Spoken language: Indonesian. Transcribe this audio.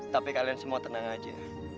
tapi kalian semua tenang aja